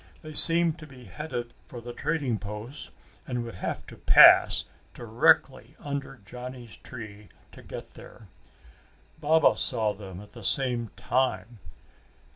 They seemed to be headed for the trading post and would have to pass directly under Johnny's tree to get there. Baba saw them at the same time.